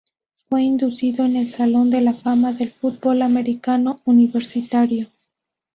Fue inducido en el Salón de la Fama del Fútbol Americano Universitario.